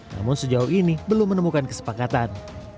namun sejauh ini belum menemukan kesepakatan